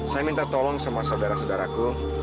saya minta tolong sama saudara saudaraku